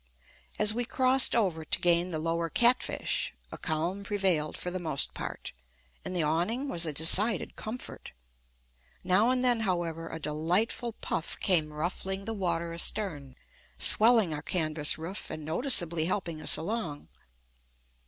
As we crossed over to gain the lower Catfish, a calm prevailed for the most part, and the awning was a decided comfort. Now and then, however, a delightful puff came ruffling the water astern, swelling our canvas roof and noticeably helping us along.